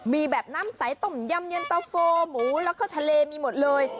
มีแบบน้ำใสต้มยำเย็นตะโฟหมูแล้วก็ทะเลมีหมดเลย